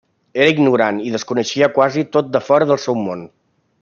Era ignorant i desconeixia quasi tot de fora del seu món.